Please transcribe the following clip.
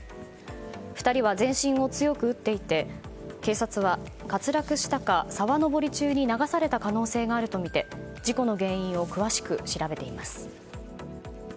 ２人は全身を強く打っていて警察は滑落したか沢登り中に流された可能性があるとみて事故の原因を詳しく調べています。